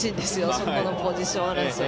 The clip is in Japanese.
そこのポジション争い。